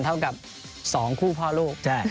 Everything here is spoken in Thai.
เท่ากับ๒คู่พ่อลูก